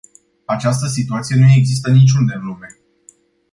Această situație nu există niciunde în lume.